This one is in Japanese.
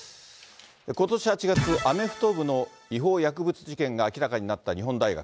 ことし８月、アメフト部の違法薬物事件が明らかになった日本大学。